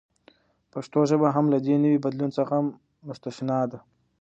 پښتو ژبه هم له دې نوي بدلون څخه مستثناء نه ده.